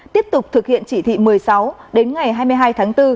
tiếp tục thực hiện chỉ thị một mươi sáu đến ngày hai mươi hai tháng bốn